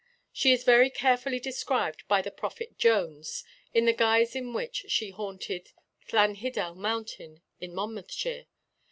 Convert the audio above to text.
She is very carefully described by the Prophet Jones, in the guise in which she haunted Llanhiddel Mountain in Monmouthshire.